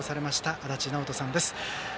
足達尚人さんです。